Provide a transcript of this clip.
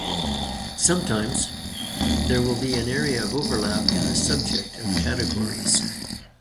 Sometimes there will be an area of overlap in the subject of categories.